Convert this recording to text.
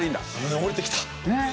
降りてきた。